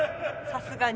さすがに。